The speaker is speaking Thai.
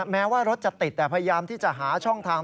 แม้ว่ารถจะติดแต่พยายามที่จะหาช่องทาง